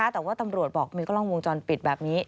แต่ว่าตำรวจบอกมีกล้องวงจรปิดแบบนี้